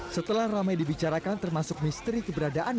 setelah ramai dibicarakan termasuk misteri keberadaan